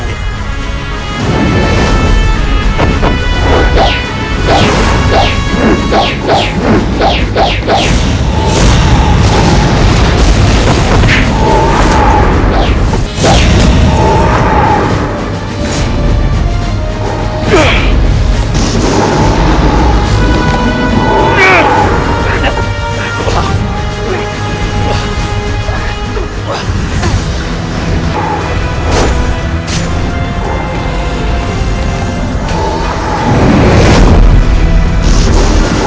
penaga puspa tingkat terakhir